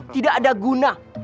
tidak ada guna